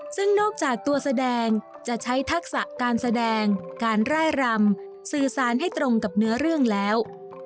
ซึ่งนอกจากตัวแสดงจะใช้ทักษะการแสดงการร่ายรำสื่อสารให้ตรงกับเนื้อเรื่องแล้ว